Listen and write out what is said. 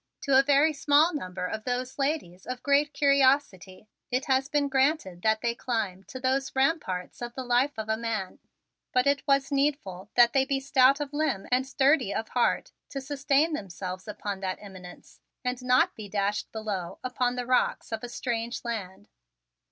To a very small number of those ladies of great curiosity it has been granted that they climb to those ramparts of the life of a man; but it was needful that they be stout of limb and sturdy of heart to sustain themselves upon that eminence and not be dashed below upon the rocks of a strange land.